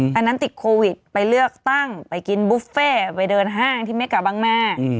อันนั้นติดโควิดไปเลือกตั้งไปกินบุฟเฟ่ไปเดินห้างที่เมกาบังหน้า